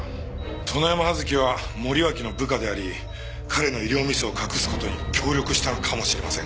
殿山葉月は森脇の部下であり彼の医療ミスを隠す事に協力したのかもしれません。